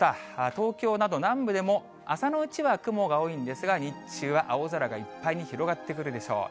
東京など南部でも朝のうちは雲が多いんですが、日中は青空がいっぱいに広がってくるでしょう。